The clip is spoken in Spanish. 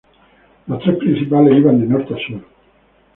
Las tres principales iban de norte a sur.